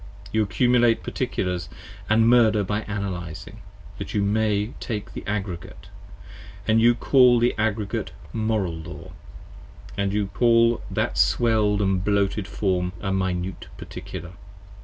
You accumulate Particulars, & murder by analyzing, that you May take the aggregate: & you call the aggregate Moral Law: And you call that swell'd & bloated Form a Minute Particular.